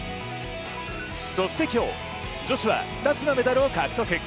そして今日、女子は２つのメダルを獲得。